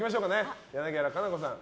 柳原可奈子さん